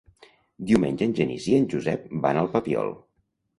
Diumenge en Genís i en Josep van al Papiol.